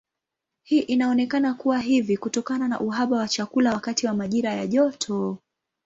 Hii inaonekana kuwa hivi kutokana na uhaba wa chakula wakati wa majira ya joto.